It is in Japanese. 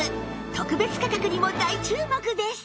特別価格にも大注目です！